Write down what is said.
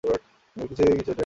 কিন্তু কিছুতেই নিদ্রা হয় না।